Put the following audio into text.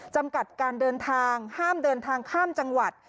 จำกัดการเดินทางห้ามเดินทางข้ามจังหวัด